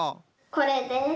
これです。